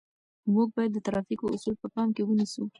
موږ باید د ترافیکو اصول په پام کې ونیسو.